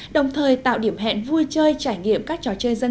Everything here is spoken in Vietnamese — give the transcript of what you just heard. đồng thời tạo điểm hẹn vui chơi trải nghiệm các trò chơi diễn